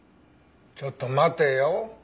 ちょっと待てよ。